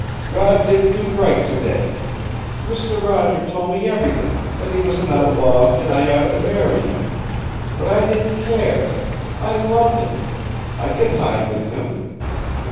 "God didn't do right today. Mister Roger told me everything, that he was an outlaw, an' I oughtn't to marry him. But I didn't care. I loved him. I could hide with him.